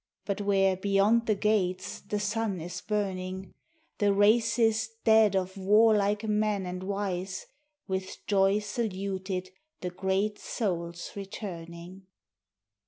But where beyond the gates the sun is burning, The races dead of warlike men and wise With joy saluted the great soul's returning.